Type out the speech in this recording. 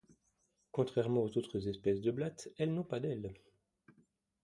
Contrairement aux autres espèces de blattes, elles n'ont pas d'aile.